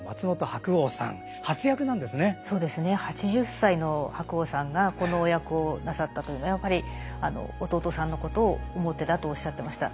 ８０歳の白鸚さんがこのお役をなさったというのはやっぱり弟さんのことを思ってだとおっしゃってました。